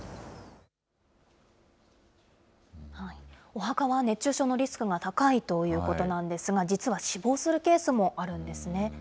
お墓は熱中症のリスクが高いということなんですが、実は死亡するケースもあるんですね。